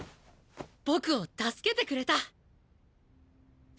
僕を救けてくれた。